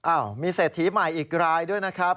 มีเศรษฐีใหม่อีกรายด้วยนะครับ